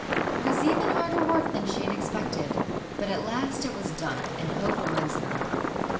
It was even harder work than she had expected; but at last it was done, and hope arose in her heart.